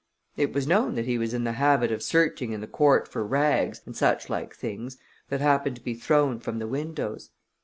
It was known that he was in the habit of searching in the court for rags, and suchlike things, that happened to be thrown from the windows.